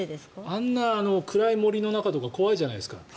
あんな暗い森の中とか怖いじゃないですか。